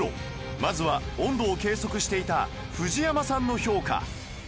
まずは温度を計測していた藤山さんの評価